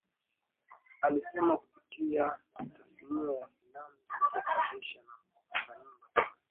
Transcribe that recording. Alisema kupitia Tasnia ya filamu zinazotayarishwa na wasanii mbalimbali